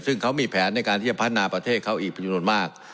ซึ่งเขามีแผนในการที่จะพัฒนาประเทศเขาอีกเป็นจำนวนมาก